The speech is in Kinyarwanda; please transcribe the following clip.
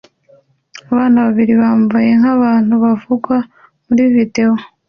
Abana babiri bambaye nk'abantu bavugwa muri videwo